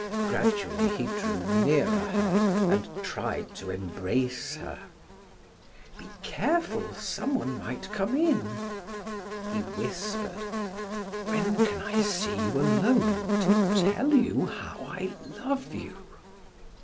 Gradually he drew nearer her and tried to embrace her. "Be careful, some one might come in." He whispered: "When can I see you alone to tell you how I love you?"